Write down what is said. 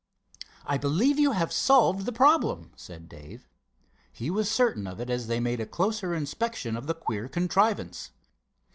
"I believe you have solved the problem," said Dave. He was certain of it as they made a closer inspection of the queer contrivance.